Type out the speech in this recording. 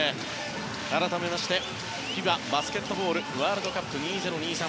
改めましてＦＩＢＡバスケットボールワールドカップ２０２３